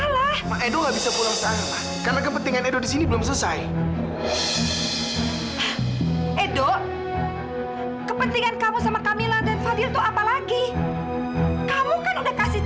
lupakan semua permasalahan yang ada